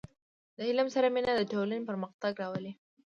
• د علم سره مینه، د ټولنې پرمختګ راولي.